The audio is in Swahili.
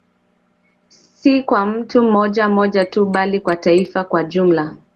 Si kwa mtu mmoja mmoja tu bali kwa Taifa kwa ujumla